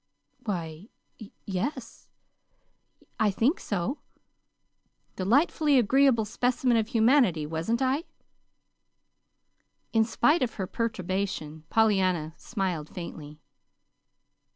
"Why, y yes, I think so." "Delightfully agreeable specimen of humanity, wasn't I?" In spite of her perturbation Pollyanna smiled faintly.